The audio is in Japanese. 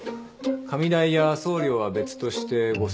紙代や送料は別として５，０００円。